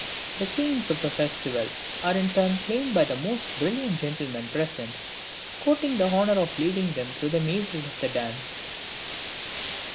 The queens of the festival are in turn claimed by the most brilliant gentlemen present, courting the honor of leading them through the mazes of the dance.